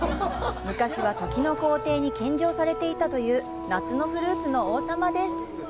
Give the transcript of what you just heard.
昔は時の皇帝に献上されていたという夏のフルーツの王様です。